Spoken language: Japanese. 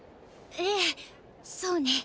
ええそうね。